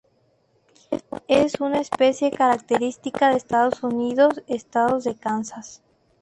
Es una especie característica de Estados Unidos, estado de Kansas.